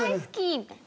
みたいな。